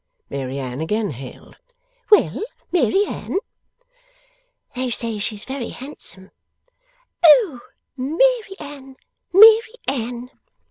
Mary Anne again hailed. 'Well, Mary Anne?' 'They say she's very handsome.' 'Oh, Mary Anne, Mary Anne!